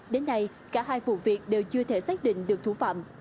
đến nay cả hai vụ việc đều chưa thể xác định được thủ phạm